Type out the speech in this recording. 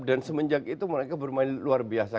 dan semenjak itu mereka bermain luar biasa